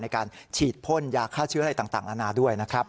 ในการฉีดพ่นยาฆ่าเชื้ออะไรต่างนานาด้วยนะครับ